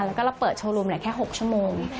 แล้วก็เราเปิดแช้นรองแบคแค่๖ชั่วโมง